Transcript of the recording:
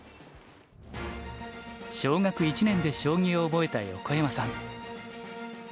小学１年で将棋を覚えた横山さん。